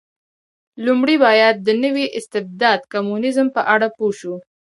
لومړی باید د نوي استبداد کمونېزم په اړه پوه شو.